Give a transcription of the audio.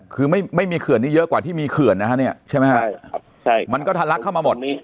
คือไม่มีเขื่อนที่เยอะกว่าที่มีเขื่อนนะฮะเนี่ยใช่ไหมฮะใช่มันก็ทะลักเข้ามาหมด